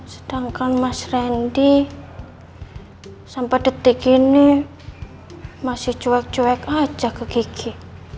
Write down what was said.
sedangkan mas randy sampai detik ini masih cuek cuek aja ke gigi